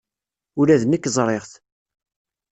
Ula d nekk ẓriɣ-t.